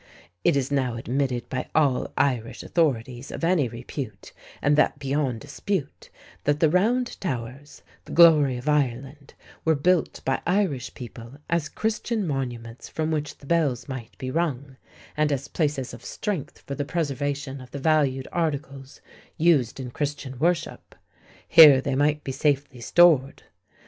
It is now admitted by all Irish authorities of any repute, and that beyond dispute, that the Round Towers, the glory of Ireland, were built by Irish people as Christian monuments from which the bells might be rung, and as places of strength for the preservation of the valued articles used in Christian worship; here they might be safely stored.